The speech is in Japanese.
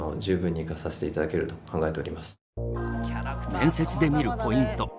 面接で見るポイント。